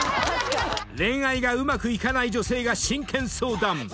［恋愛がうまくいかない女性が真剣相談。